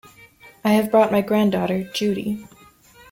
I have brought my granddaughter, Judy.